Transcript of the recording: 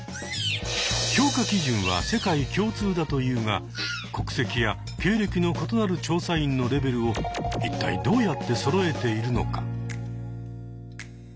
評価基準は世界共通だというが国籍や経歴の異なる調査員のレベルを一体どうやってそろえているのか？